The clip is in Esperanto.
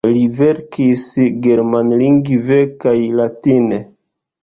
Li verkis germanlingve kaj latine.